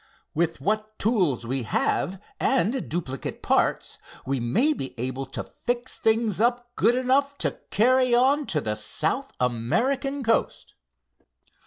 With what tools we have and duplicate parts, we may be able to fix things up good enough to carry on to the South American coast."